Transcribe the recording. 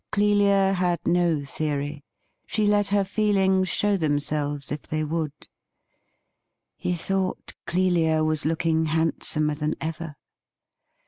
Clelia had no theory; she let her feelings show 200 THE RIDDLE RING themselves if they would. He thought Clelia was looking handsomer than ever.